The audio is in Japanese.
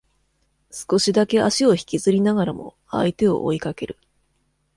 少しだけ足を引きずりながらも相手を追いかける